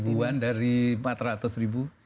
kalau hanya dua puluh ribuan dari empat ratus ribu